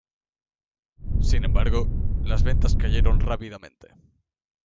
Sin embargo, las ventas cayeron rápidamente.